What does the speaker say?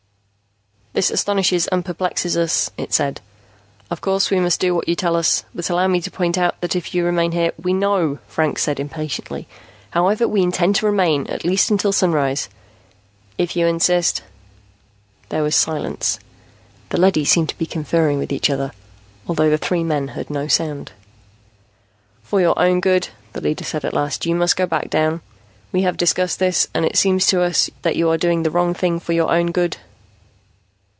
"This astonishes and perplexes us," it said. "Of course we must do what you tell us, but allow me to point out that if you remain here " "We know," Franks said impatiently. "However, we intend to remain, at least until sunrise." "If you insist." There was silence. The leadys seemed to be conferring with each other, although the three men heard no sound. "For your own good," the leader said at last, "you must go back down. We have discussed this, and it seems to us that you are doing the wrong thing for your own good."